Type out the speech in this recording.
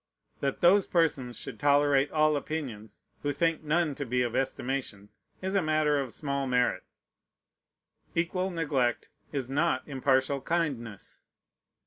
That those persons should tolerate all opinions, who think none to be of estimation, is a matter of small merit. Equal neglect is not impartial kindness.